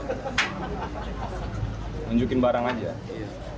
tunjukkan barang aja